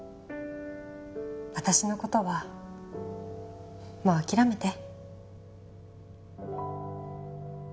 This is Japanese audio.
私の事はもう諦めて。